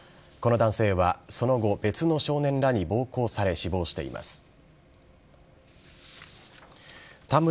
この男性はその後、別の少年らに暴行され死亡しています。